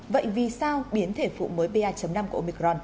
vậy vì sao biến thể phụ mới ba năm của omicron